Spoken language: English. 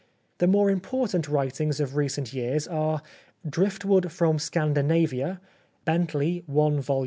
The more important writings of recent years are :—' Driftwood from Scandinavia ' (Bentley, i vol.